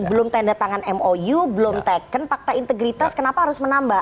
belum tanda tangan mou belum teken fakta integritas kenapa harus menambah